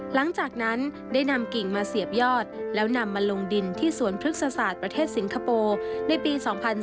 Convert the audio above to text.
หลังจากนั้นได้นำกิ่งมาเสียบยอดแล้วนำมาลงดินที่สวนพฤกษศาสตร์ประเทศสิงคโปร์ในปี๒๔